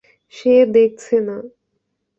সে দেখছে না।